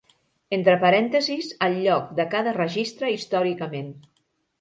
Entre parèntesis el lloc de cada registre històricament.